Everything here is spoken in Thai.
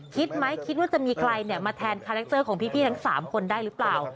คิดไหมคิดว่าจะมีใครมาแทนคาแรคเตอร์ของพี่ทั้ง๓คนได้หรือเปล่า